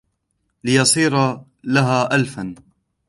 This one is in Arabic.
لِيَصِيرَ لَهَا آلِفًا